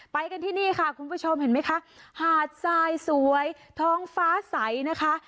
ไปกันที่นี่ค่ะคุณผู้ชมเห็นไหมคะหาดทรายสวยท้องฟ้าใสนะคะ